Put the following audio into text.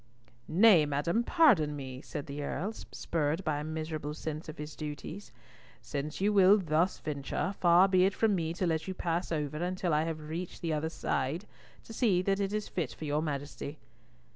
"Nay, madam, pardon me," said the Earl, spurred by a miserable sense of his duties; "since you will thus venture, far be it from me to let you pass over until I have reached the other aide to see that it is fit for your Majesty!"